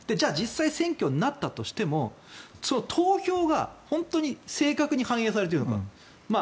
実際、選挙になったとしてもその投票が本当に正確に反映されているのか。